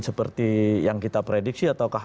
seperti yang kita prediksi ataukah